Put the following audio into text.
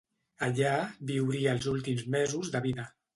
Allà viuria els últims mesos de vida.